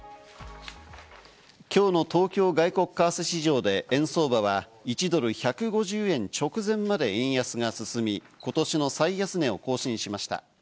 きょうの東京外国為替市場で円相場は１ドル＝１５０円直前まで円安が進み、ことしの最安値を更新しました。